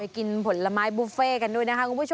กินผลไม้บุฟเฟ่กันด้วยนะคะคุณผู้ชม